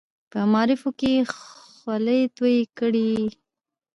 په معارفو کې یې خولې تویې کړې.